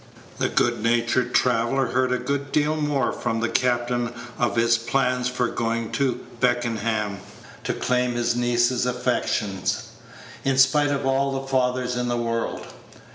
The good natured traveller heard a good deal more from the captain of his plans for going to Beckenham to claim his niece's affections, in spite of all the fathers in the world.